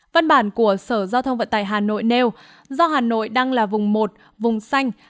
văn bản của sở giao thông vận tài hà nội nêu do hà nội đang là vùng một vùng xanh